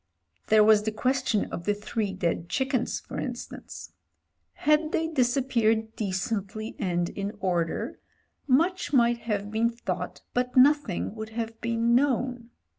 There was the question of the three dead chickens, for instance. Had they disappeared decently and in order much might have been thought but nothing would have been known.